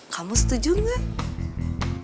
kamu setuju gak